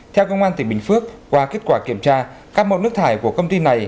theo công an tỉnh bình phước qua kết quả kiểm tra các mẫu nước thải của công ty này